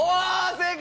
正解！